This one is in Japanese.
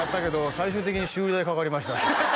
「最終的に修理代かかりました」